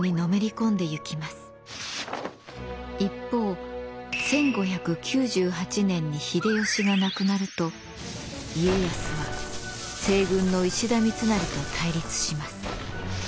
一方１５９８年に秀吉が亡くなると家康は西軍の石田三成と対立します。